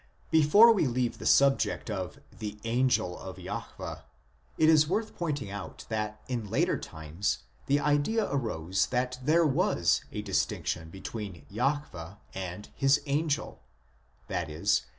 Before we leave the subject of " the angel of Jahwe " it is worth pointing out that in later times the idea arose that there was a distinction between Jahwe and His angel, i.e.